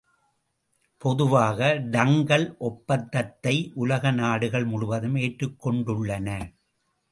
பொதுவாக டங்கல் ஒப்பந்தத்தை உலக நாடுகள் முழுதும் ஏற்றுக் கொண்டுள்ளன.